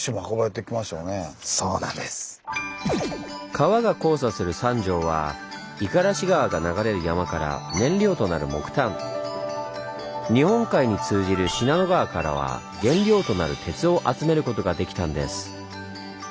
川が交差する三条は五十嵐川が流れる山から燃料となる木炭日本海に通じる信濃川からは原料となる鉄を集めることができたんです。